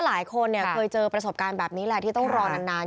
หลายคนเคยเจอประสบการณ์แบบนี้แหละที่ต้องรอนาน